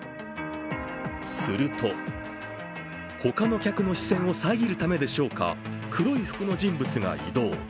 すると、他の客の視線を遮るためでしょうか黒い服の人物が移動。